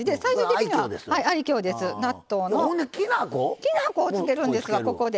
きな粉をつけるんですわここで。